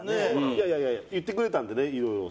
いやいやいやいや言ってくれたんでねいろいろ。